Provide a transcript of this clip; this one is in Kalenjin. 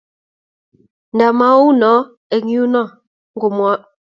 Nta maounoe eng yuno ngwonge.